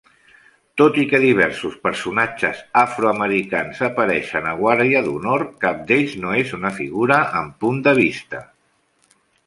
Tot i que diversos personatges afroamericans apareixen a "Guàrdia d'honor", cap d'ells no és una figura amb punt de vista.